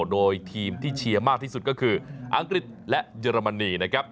โดยทีมที่เชียร์มากที่สุดก็คืออังกฤษและเยอรมนีนะครับ